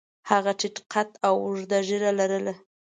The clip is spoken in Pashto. هغه ټیټ قد او اوږده ږیره لرله.